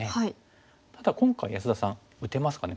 ただ今回安田さん打てますかね